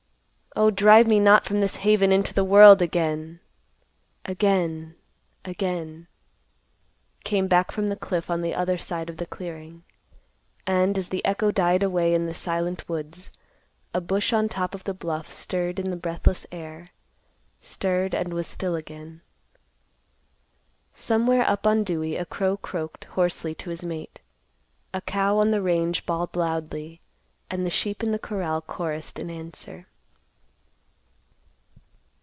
Oh, drive me not from this haven into the world again!" "Again, again," came back from the cliff on the other side of the clearing, and, as the echo died away in the silent woods, a bush on top of the bluff stirred in the breathless air; stirred, and was still again. Somewhere up on Dewey a crow croaked hoarsely to his mate; a cow on the range bawled loudly and the sheep in the corral chorused in answer.